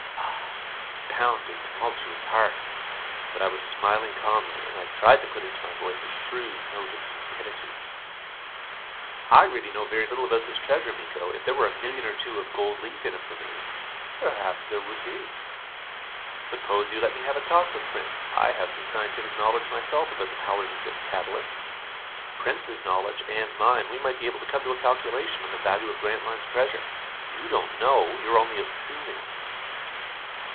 Ah, my pounding, tumultuous heart! But I was smiling calmly. And I tried to put into my voice a shrewd note of cupidity. "I really know very little about this treasure, Miko. If there were a million or two of gold leaf in it for me " "Perhaps there would be." "Suppose you let me have a talk with Prince? I have some scientific knowledge myself about the powers of this catalyst. Prince's knowledge and mine we might be able to come to a calculation on the value of Grantline's treasure. You don't know. You are only assuming."